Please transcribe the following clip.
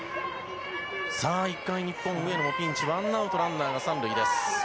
１回、日本ピンチワンアウトランナー、３塁です。